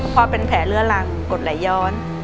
พ่อเป็นแผลเลื้อรังกดไหลย้อน